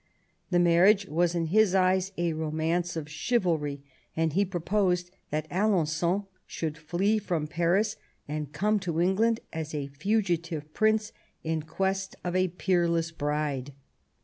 The marriage was, in his eyes, a romance of chivalry, and he proposed that Alengon should flee from Paris and come to England as a fugitive Prince in quest of a peerless bride.